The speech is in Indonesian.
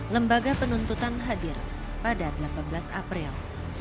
lembaga penuntutan hadir pada delapan belas april seribu delapan ratus dua puluh tujuh